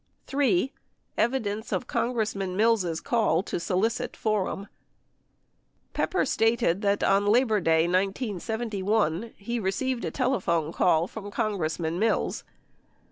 ..." 43 3. EVIDENCE OF CONGRESSMAN MILLS' CALL TO SOLICIT FORUM Pepper stated that on Labor Day, 1971, he received a telephone call from Congressman Mills.